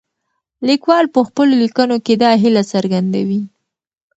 لیکوال په خپلو لیکنو کې دا هیله څرګندوي.